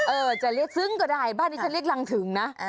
จะเรียกซึ้งก็ได้บ้านนี้ฉันเรียกรังถึงนะ